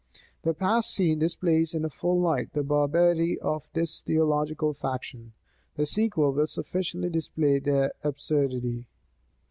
The past scene displays in a full light the barbarity of this theological faction: the sequel will sufficiently display their absurdity.